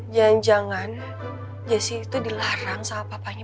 jangan jangan jessi itu dilarang sama papanya